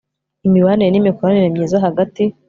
imibanire n imikoranire myiza hagati